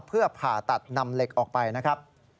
เพื่อผ่าตัดนำเหล็กออกไปนะครับ